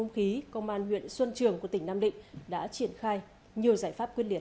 khí công an huyện xuân trường của tỉnh nam định đã triển khai nhiều giải pháp quyết liệt